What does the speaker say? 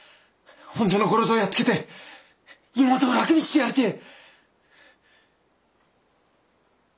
本所の五郎蔵をやっつけて妹を楽にしてやりてえ！